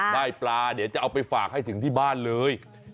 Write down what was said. ได้ปลาเดี๋ยวจะเอาไปฝากให้ถึงที่บ้านเลย